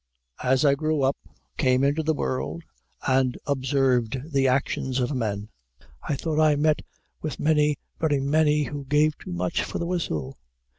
As I grew up, came into the world, and observed the actions of men, I thought I met with many, very many, who gave too much for the whistle.